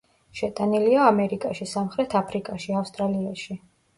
შეტანილია ამერიკაში, სამხრეთ აფრიკაში, ავსტრალიაში.